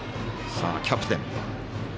キャプテン。